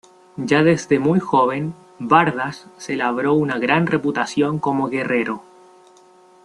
Ya desde muy joven, Bardas se labró una gran reputación como guerrero.